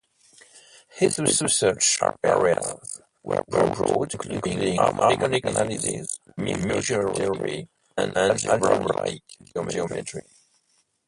His research areas were broad, including harmonic analysis, measure theory and algebraic geometry.